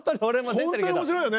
本当に面白いよね。